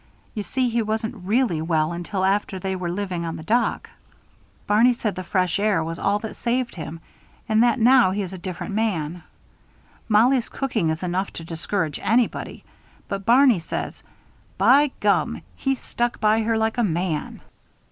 You see, he wasn't really well until after they were living on the dock Barney said the fresh air was all that saved him, and that now he's a different man. Mollie's cooking is enough to discourage anybody; but Barney says: 'By gum! He stuck by her like a man.'"